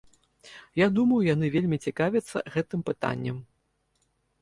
Я думаю, яны вельмі цікавяцца гэтым пытанням.